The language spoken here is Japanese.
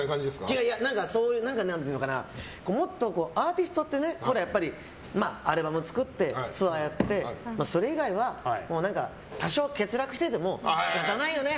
違う、もっとアーティストってアルバム作って、ツアーやってそれ以外は多少、欠落していても仕方がないよね